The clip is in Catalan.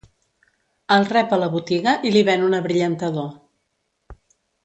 El rep a la botiga i li ven un abrillantador.